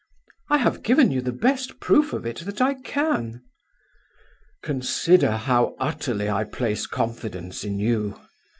"I have given you the best proof of it that I can." "Consider how utterly I place confidence in you."